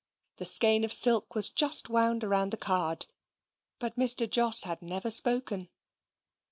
The skein of silk was just wound round the card; but Mr. Jos had never spoken.